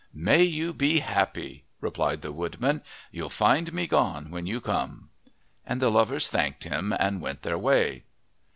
"May you be happy!" replied the woodman. "You'll find me gone when you come." And the lovers thanked him and went their way.